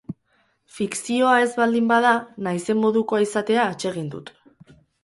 Fikzioa ez baldin bada, naizen modukoa izatea atsegin dut.